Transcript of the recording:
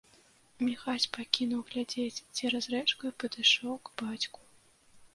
Міхась пакінуў глядзець цераз рэчку і падышоў к бацьку.